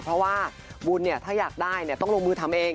เพราะว่าบุญถ้าอยากได้ต้องลงมือทำเอง